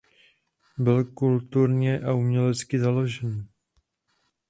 Byl kulturně a umělecky založený.